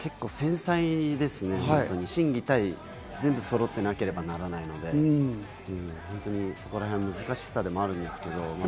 結構繊細ですね、心技体全部そろってなければならないのでそこらへんは難しさでもあるんですけど。